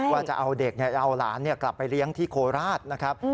ว่าจะเอาเด็กจะเอาหลานกลับไปเลี้ยงที่โคราชนะครับ